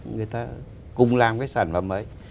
người ta cùng làm cái sản phẩm ấy